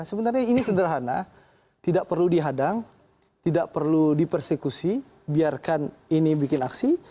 sebenarnya ini sederhana tidak perlu dihadang tidak perlu dipersekusi biarkan ini bikin aksi